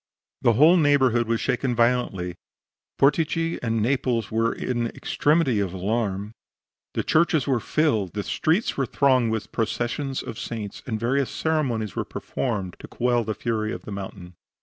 The whole neighborhood was shaken violently; Portici and Naples were in the extremity of alarm; the churches were filled; the streets were thronged with processions of saints, and various ceremonies were performed to quell the fury of the mountain.